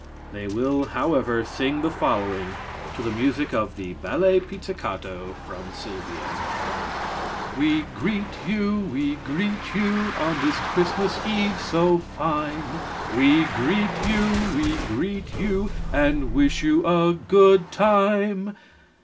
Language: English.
They will, however, sing the following, to the music of the "Ballet Pizzicato" from "Sylvia": "We greet you, we greet you, On this Christmas Eve so fine. We greet you, we greet you, And wish you a good time."